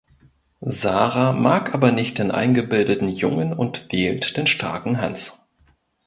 Sarah mag aber nicht den eingebildeten Jungen und wählt den starken Hans.